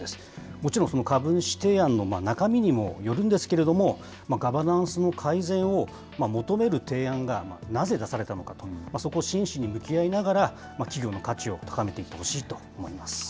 もちろん株主提案の中身にもよるんですけれども、ガバナンスの改善を求める提案がなぜ出されたのかと、そこを真摯に向き合いながら、企業の価値を高めていってほしいと思います。